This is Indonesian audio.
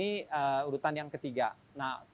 di bidang penyelidikan yang ketiga nah